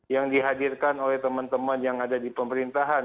yang dihadirkan oleh teman teman yang ada di pemerintahan